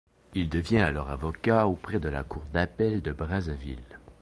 Il devient alors avocat auprès de la Cour d’Appel de Brazzaville.